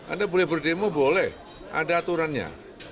anda boleh berdemo boleh ada aturannya